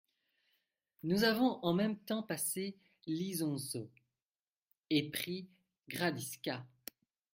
Nous avons en même temps passé l'Isonzo et pris Gradisca.